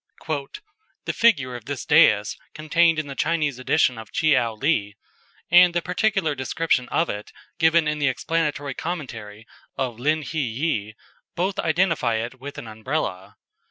"The figure of this dais contained in the Chinese edition of Tcheou Li, and the particular description of it given in the explanatory commentary of Lin hi ye, both identify it with an Umbrella.